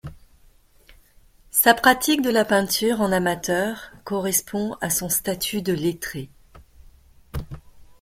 Sa pratique de la peinture en amateur correspond à son statut de lettré.